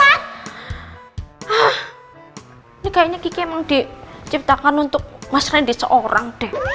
ah ini kayaknya kiki emang diciptakan untuk mas randy seorang deh